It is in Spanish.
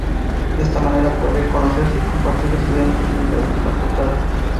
De esa manera pueden conocerse y compartir estudiantes de diferentes facultades.